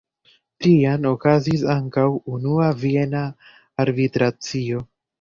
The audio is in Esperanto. Tiam okazis ankaŭ Unua Viena Arbitracio.